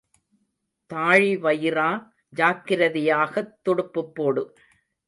தாழிவயிறா, ஜாக்கிரதையாகத் துடுப்புப் போடு.